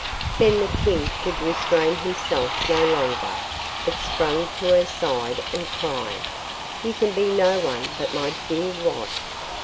Then the King could restrain himself no longer, but sprang to her side and cried, 'You can be no one but my dear wife!